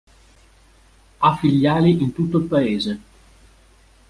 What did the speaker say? Ha filiali in tutto il paese.